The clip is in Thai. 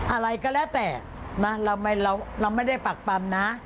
อะไรก็แล้วแต่นะเราไม่ได้ปักปำนะ